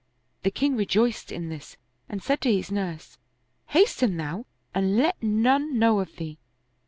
The king rejoiced in this and said to his nurse, '' Hasten thou and let none know of thee."